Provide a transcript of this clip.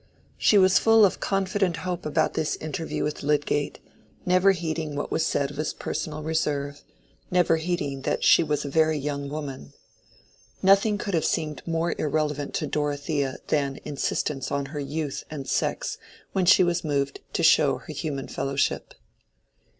She was full of confident hope about this interview with Lydgate, never heeding what was said of his personal reserve; never heeding that she was a very young woman. Nothing could have seemed more irrelevant to Dorothea than insistence on her youth and sex when she was moved to show her human fellowship.